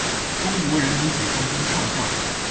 中国人民解放军少将。